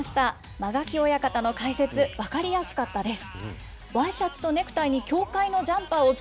間垣親方の解説、分かりやすかったです。